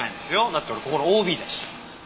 だって俺ここのＯＢだし。